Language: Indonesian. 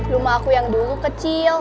rumah aku yang dulu kecil